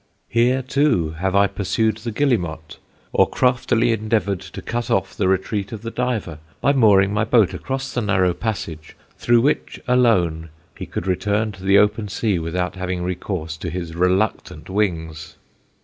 Here, too, have I pursued the guillemot, or craftily endeavoured to cut off the retreat of the diver, by mooring my boat across the narrow passage through which alone he could return to the open sea without having recourse to his reluctant wings.